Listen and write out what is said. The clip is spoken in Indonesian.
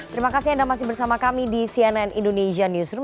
terima kasih anda masih bersama kami di cnn indonesia newsroom